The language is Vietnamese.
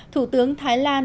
thủ tướng thái lan